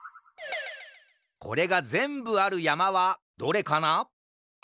これがぜんぶあるやまはどれかな？